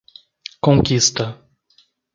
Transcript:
Conquista